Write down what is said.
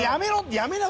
やめろ！